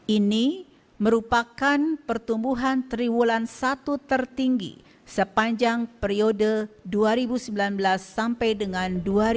ini merupakan pertumbuhan triwulan satu tertinggi sepanjang periode dua ribu sembilan belas sampai dengan dua ribu dua puluh